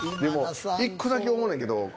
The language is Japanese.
１個だけ思うねんけど。